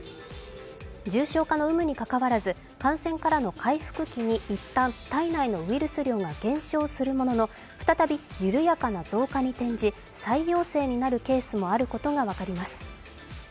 重症化の有無にかかわらず、感染からの回復期に、いったん体内のウイルス量が減少するものの再び緩やかな増加に転じ再陽性になるケースもあることが分かります。